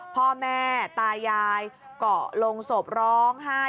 พ่อแม่ตายายเกาะลงศพร้องไห้